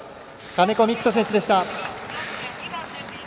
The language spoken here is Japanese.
金子魅玖人選手でした。